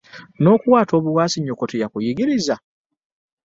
N'okuwaata obuwaasi nnyoko teyakuyigiriza!